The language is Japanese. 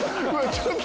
ちょっと。